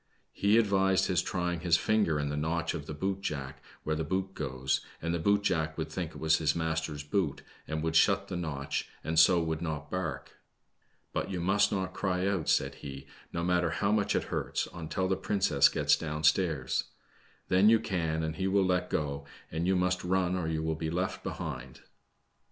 He advised his try ing his finger in the notch of the boot jack where the boot goes, and the boot jack would think it was his master's boot and would shut the notch, and so would not bark. But you must not cry out," said he, no matter how much it hurts, until the princess gets down stairs. Then you can, and he will Tet go, and you must run or you will be left behind." BLAQK SNEID.